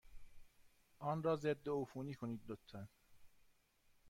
آن را ضدعفونی کنید، لطفا.